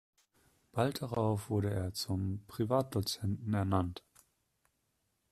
Bald darauf wurde er zum Privatdozenten ernannt.